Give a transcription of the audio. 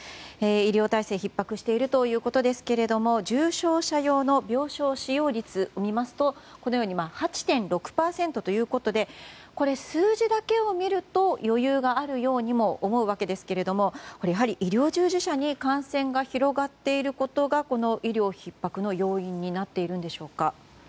医療体制ひっ迫しているということですけども重症者用の病床使用率を見るとこのように８．６％ということで数字だけを見ると余裕があるようにも思うわけですけどやはり医療従事者に感染が広がっていることが医療ひっ迫の要因になっているんでしょうか？